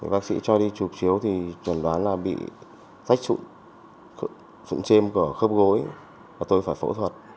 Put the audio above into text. bác sĩ cho đi chụp chiếu thì chuẩn đoán là bị tách sụn sụn chêm của khớp gối và tôi phải phẫu thuật